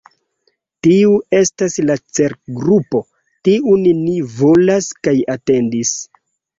Tiu estas la celgrupo, tiun ni volas kaj atendis.